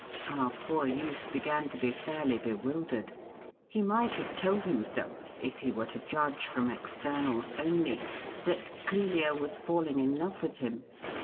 Our poor youth began to be fairly bewildered. He might have told himself, if he were to judge from externals only, that Clelia was falling in love with him.